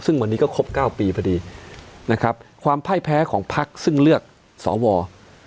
ซึ่งวันนี้ก็ครบ๙ปีพอดีนะครับความพ่ายแพ้ของพักซึ่งเลือกสว